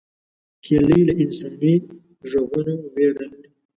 هیلۍ له انساني غږونو ویره لري